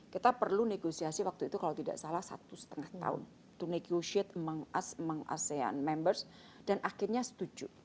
kita perlu negosiasi waktu itu kalau tidak salah satu setengah tahun to nego shate among us a mong asean members dan akhirnya setuju